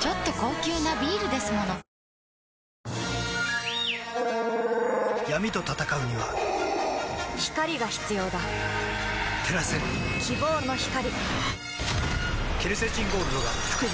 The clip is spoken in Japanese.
ちょっと高級なビールですもの闇と闘うには光が必要だ照らせ希望の光